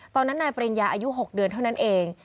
ตอนนั้นนายปริญญาอายุ๖เดือนเท่านั้นเอง